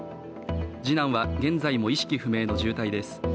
次男は現在も意識不明の重体です。